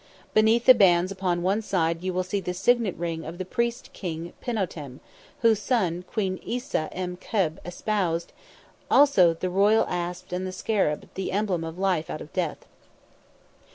Beneath the bands upon one side you will see the signet ring of the priest King Pinotem whose son Queen Isi em Kheb espoused ; also the royal asps and the scarab, the emblem of life out of death.